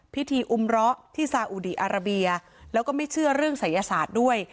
อุมเลาะที่ซาอุดีอาราเบียแล้วก็ไม่เชื่อเรื่องศัยศาสตร์ด้วย